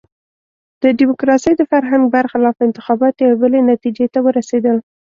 د ډیموکراسۍ د فرهنګ برخلاف انتخابات یوې بلې نتیجې ته ورسېدل.